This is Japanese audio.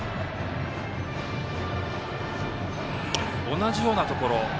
同じようなところ。